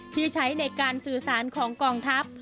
ที่ใช้ในการสื่อสารของกองทัพ